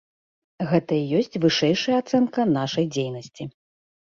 Гэта і ёсць вышэйшая ацэнка нашай дзейнасці.